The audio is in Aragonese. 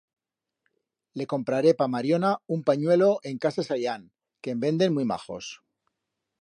Le compraré pa Mariona un panyuelo en Casa Sallán, que en venden muit majos.